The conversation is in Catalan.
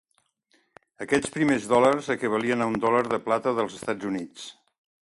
Aquests primers dòlars equivalien a un dòlar de plata dels Estats Units.